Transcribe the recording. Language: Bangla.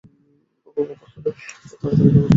অপু বাবার হাত হইতে তাড়াতাড়ি কাগজের মোড়কটা লইয়া খুলিয়া ফেলে।